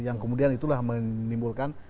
yang kemudian itulah menimbulkan